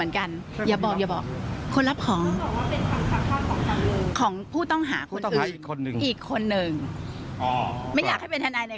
เพราะว่าเป็นความลับของรู้ความมันไหลอย่างเลย